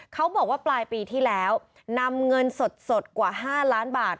เขาบอกว่าปลายปีที่แล้วนำเงินสดกว่า๕ล้านบาท